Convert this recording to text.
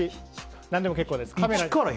何でも結構です。